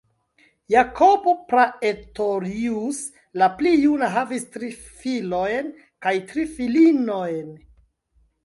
Jacob Praetorius la pli juna havis tri filojn kaj tri filinojn.